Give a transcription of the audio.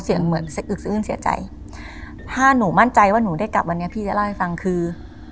เสียงเหมือนสะอึกสะอื้นเสียใจถ้าหนูมั่นใจว่าหนูได้กลับวันนี้พี่จะเล่าให้ฟังคือ